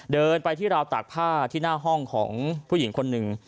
เดินไปที่ราวตากผ้าที่หน้าห้องของผู้หญิงคนหนึ่ง